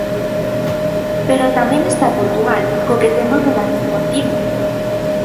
Pero tamén está Portugal, co que temos relación continua.